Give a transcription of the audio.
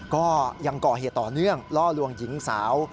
ก็ยังก่อเหตุต่อเนื่องล่อลวงหญิงสาว